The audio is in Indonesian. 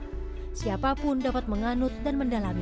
sehingga seorang abdi yang dapat menganut dan mendalami